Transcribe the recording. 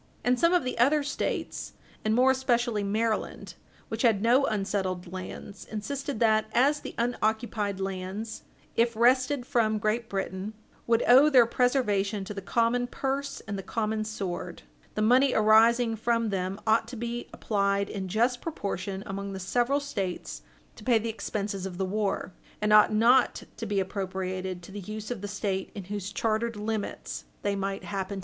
And some of the other States, and more especially Maryland, which had no unsettled lands, insisted that as the unoccupied lands, if wrested from Great Britain, would owe their preservation to the common purse and the common sword, the money arising from them ought to be applied in just proportion among the several States to pay the expenses of the war, and ought not to be appropriated to the use of the State in whose chartered limits they might happen Page 60 U.